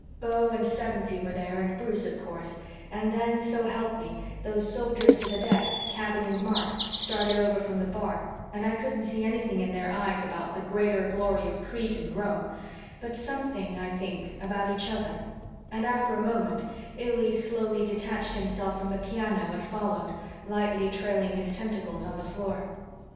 Beau and Sevensee were there and Bruce, of course, and then, so help me, those Soldiers to the death, Kaby and Mark, started over from the bar and I couldn't see anything in their eyes about the greater glory of Crete and Rome, but something, I think, about each other, and after a moment Illy slowly detached himself from the piano and followed, lightly trailing his tentacles on the floor.